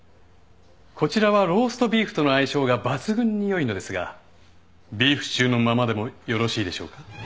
こちらはローストビーフとの相性が抜群に良いのですがビーフシチューのままでもよろしいでしょうか？